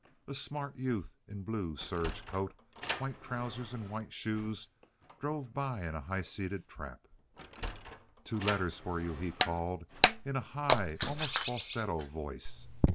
A smart youth in blue serge coat, white trousers, and white shoes drove by in a high seated trap. "Two letters for you," he called, in a high, almost falsetto voice.